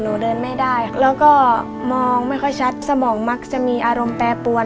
เดินไม่ได้แล้วก็มองไม่ค่อยชัดสมองมักจะมีอารมณ์แปรปวน